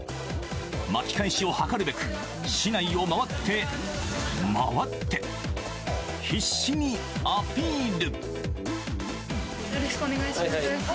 巻き返しを図るべく市内を回って、回って必死にアピール。